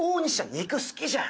肉好きじゃん。